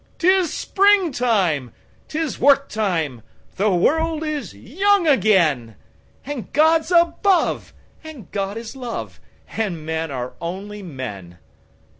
'Tis springtime! 'Tis work time! The world is young again! And God's above, and God is love, And men are only men.